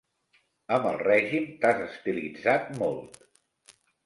Amb el règim, t'has estilitzat molt.